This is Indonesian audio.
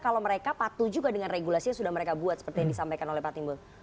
kalau mereka patuh juga dengan regulasi yang sudah mereka buat seperti yang disampaikan oleh pak timbul